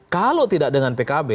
kalau tidak dengan pkb